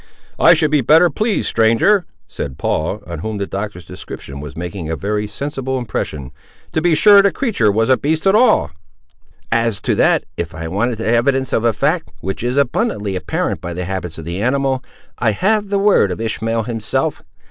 "I should be better pleased, stranger," said Paul, on whom the Doctor's description was making a very sensible impression, "to be sure the creature was a beast at all." "As to that, if I wanted evidence of a fact, which is abundantly apparent by the habits of the animal, I have the word of Ishmael himself.